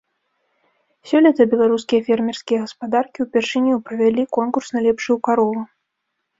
Сёлета беларускія фермерскія гаспадаркі ўпершыню правялі конкурс на лепшую карову.